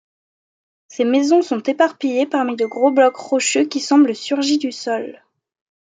Ses maisons sont éparpillées parmi de gros blocs rocheux qui semblent surgis du sol.